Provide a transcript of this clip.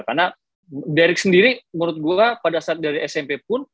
karena derek sendiri menurut gue pada saat dari smp pun